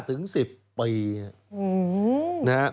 อืมนะฮะ